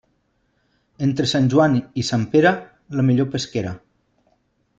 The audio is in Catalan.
Entre Sant Joan i Sant Pere, la millor pesquera.